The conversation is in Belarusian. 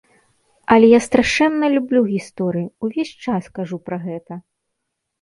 Але я страшэнна люблю гісторыю, увесь час кажу пра гэта.